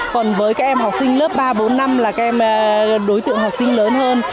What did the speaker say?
còn với các em học sinh lớp ba bốn năm là các đối tượng học sinh lớn hơn